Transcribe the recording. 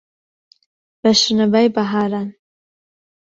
بە شنەبای بەهاران